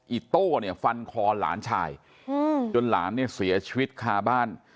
อิโต้เนี่ยฟันคอหลานชายจนหลานเนี่ยเสียชีวิตคาบ้าน